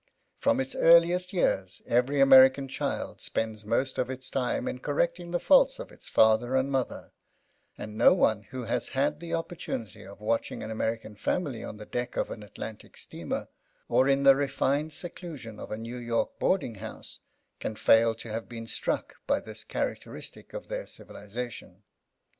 From its earliest years every American child spends most of its time in correcting the faults of its father and mother; and no one who has had the opportunity of watching an American family on the deck of an Atlantic steamer, or in the refined seclusion of a New York boarding house, can fail to have been struck by this characteristic of their civilization.